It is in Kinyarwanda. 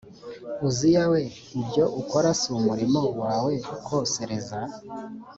uziya we ibyo ukora si umurimo wawe kosereza